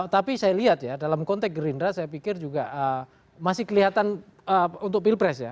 tapi saya lihat ya dalam konteks gerindra saya pikir juga masih kelihatan untuk pilpres ya